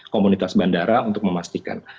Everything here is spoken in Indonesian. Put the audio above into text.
komunitas bandara untuk memastikan